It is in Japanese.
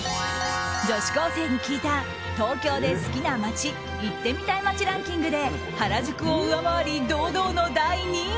女子高生に聞いた東京で好きな街行ってみたい街ランキングで原宿を上回り堂々の第２位。